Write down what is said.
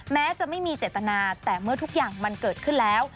แม้จะไม่มีเจตนาแต่เมื่อทุกอย่างมันเกิดขึ้นแล้ว